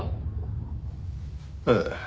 ええ。